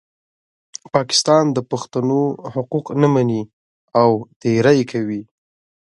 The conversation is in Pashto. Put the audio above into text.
پاکستان د پښتنو حقوق نه مني او تېری کوي.